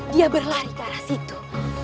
dia berlari ke arah situ